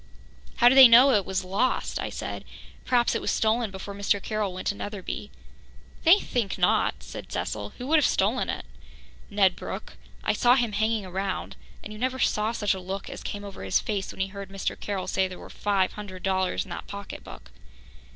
"How do they know it was lost?" I said. "Perhaps it was stolen before Mr. Carroll went to Netherby." "They think not," said Cecil. "Who would have stolen it?" "Ned Brooke. I saw him hanging around. And you never saw such a look as came over his face when he heard Mr. Carroll say there was five hundred dollars in that pocketbook."